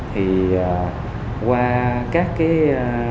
thì qua các cái